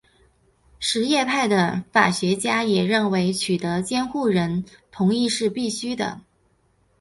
什叶派的法学家也认为取得监护人同意是必须的。